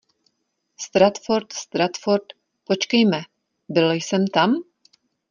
Stratford, Stratford, počkejme, byl jsem tam?